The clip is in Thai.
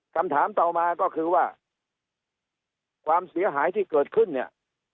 คำถามต่อมาก็คือว่าความเสียหายที่เกิดขึ้นเนี่ย